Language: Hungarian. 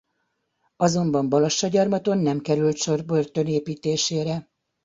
Azonban Balassagyarmaton nem került sor börtön építésére.